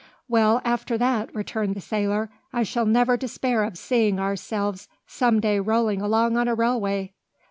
"Well, after that," returned the sailor, "I shall never despair of seeing ourselves some day rolling along on a railway!"